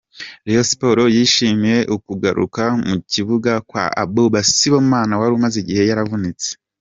Rayon Sports yishimiye ukugaruka mu kibuga kwa Abouba Sibomana wari umaze igihe yaravunitse.